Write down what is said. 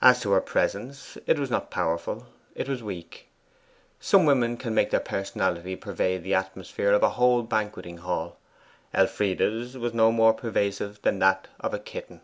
As to her presence, it was not powerful; it was weak. Some women can make their personality pervade the atmosphere of a whole banqueting hall; Elfride's was no more pervasive than that of a kitten.